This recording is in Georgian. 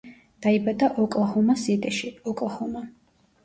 დაიბადა ოკლაჰომა სიტიში, ოკლაჰომა.